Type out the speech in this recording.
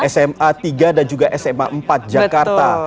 sma tiga dan juga sma empat jakarta